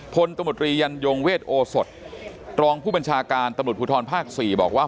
ตมตรียันยงเวทโอสดรองผู้บัญชาการตำรวจภูทรภาค๔บอกว่า